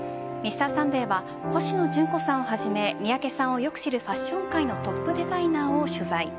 「Ｍｒ．サンデー」はコシノジュンコさんをはじめ三宅さんをよく知るファッション界のトップデザイナーを取材。